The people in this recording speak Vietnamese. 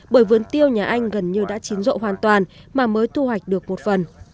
bởi vườn tiêu nhà anh gần như đã chín rộ hoàn toàn mà mới thu hoạch được một phần